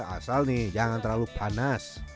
asal nih jangan terlalu panas